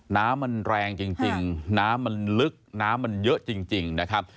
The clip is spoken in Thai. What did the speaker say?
น้ำมันแรงจริงน้ำมันลึกน้ำมันเยอะจริงนะครับ